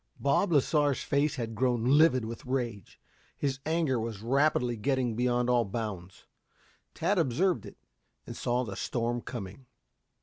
Bob Lasar's face had grown livid with rage. His anger was rapidly getting beyond all bounds. Tad observed it and saw the storm coming.